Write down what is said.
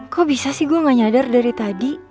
kok bisa sih gue gak nyadar dari tadi